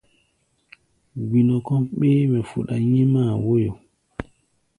Gbinɔ kɔ́ʼm ɓéémɛ fuɗa nyímáa wóyo.